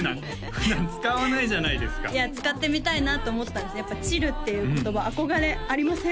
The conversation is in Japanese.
普段使わないじゃないですかいや使ってみたいなと思ったんですやっぱ「チル」っていう言葉憧れありません？